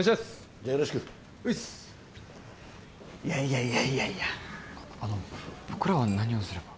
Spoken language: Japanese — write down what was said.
じゃあよろしくういっすいやいやいやいやいやあの僕らは何をすれば？